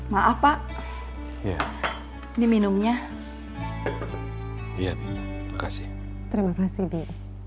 maaf pak ya ini minumnya iya bi makasih terima kasih bi